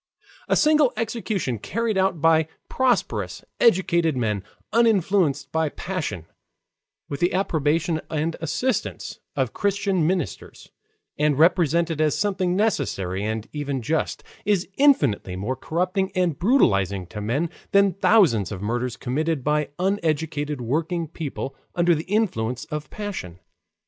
A single execution carried out by prosperous educated men uninfluenced by passion, with the approbation and assistance of Christian ministers, and represented as something necessary and even just, is infinitely more corrupting and brutalizing to men than thousands of murders committed by uneducated working people under the influence of passion.